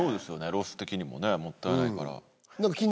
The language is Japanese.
ロス的にももったいないから。何か。